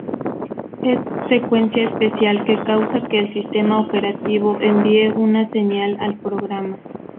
Es secuencia especial, que causa que el sistema operativo envíe una señal al programa.